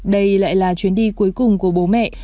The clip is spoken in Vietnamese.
đây lại là chuyến đi cuối cùng của bố mẹ